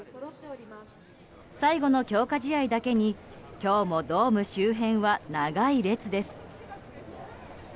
最後の強化試合だけに今日もドーム周辺は長い列です。